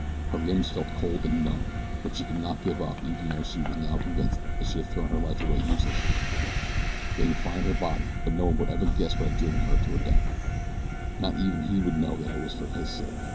Her limbs felt cold and numb; but she could not give up even though she was now convinced that she had thrown her life away uselessly. They would find her body; but no one would ever guess what had driven her to her death. Not even he would know that it was for his sake.